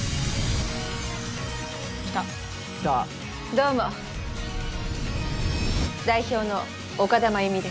どうも代表の岡田真弓です